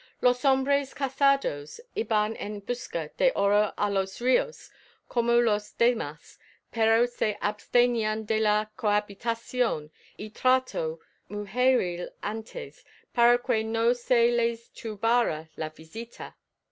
"Los hombres casados iban en busca de oro á los ríos como los demás, pero se abstenían de la cohabitación y trato mujeril antes, para que no se les turbara la vista".